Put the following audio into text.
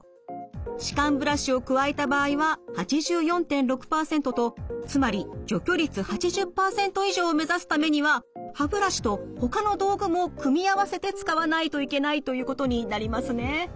歯間ブラシを加えた場合は８４．６％とつまり除去率８０％以上を目指すためには歯ブラシとほかの道具も組み合わせて使わないといけないということになりますね。